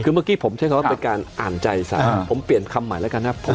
คือเมื่อกี้ผมใช้คำว่าเป็นการอ่านใจสารผมเปลี่ยนคำใหม่แล้วกันนะ